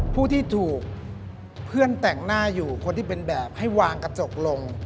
ผู้ที่ถูกเพื่อนแต่งหน้าอยู่คนที่เป็นแบบให้วางกระจกลง